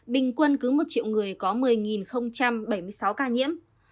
bình quân cứ một triệu người có một mươi bảy mươi sáu ca nhiễm